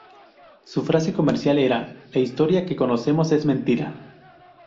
Su frase comercial era "La Historia que conocemos es mentira".